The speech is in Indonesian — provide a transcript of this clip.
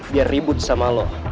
biar ribut sama lo